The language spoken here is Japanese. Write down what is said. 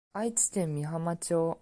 愛知県美浜町